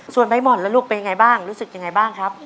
ส่วนใบหม่อนแล้วลูกเป็นยังไงบ้างรู้สึกยังไงบ้างครับ